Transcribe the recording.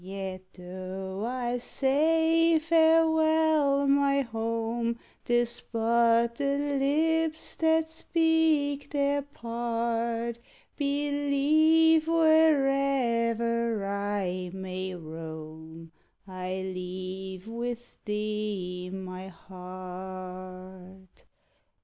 Yet, though I say farewell, my home, 'Tis but the lips that speak their part; Believe, wherever I may roam, I leave with thee my heart.